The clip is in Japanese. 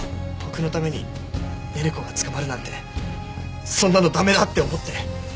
僕のために寧々子が捕まるなんてそんなの駄目だって思って。